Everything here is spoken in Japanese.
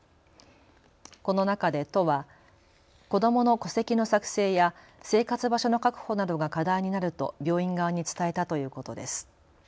この中で都は子どもの戸籍の作成や生活場所の確保などが課題になると病院側に伝えたということです。